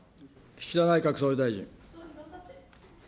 岸田内閣総理大臣。